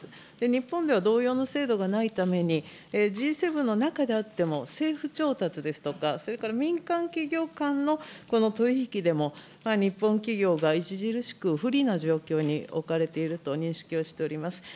日本では同様の制度がないために、Ｇ７の中であっても、政府調達ですとか、それから民間企業間の取り引きでも、日本企業が著しく不利な状況に置かれていると認識をしております。